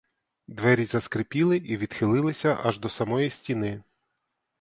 Двері заскрипіли і відхилилися аж до самої стіни.